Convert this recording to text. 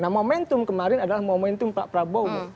nah momentum kemarin adalah momentum pak prabowo